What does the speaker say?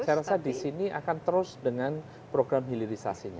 saya rasa di sini akan terus dengan program hilirisasinya